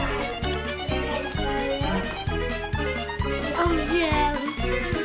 おいしい！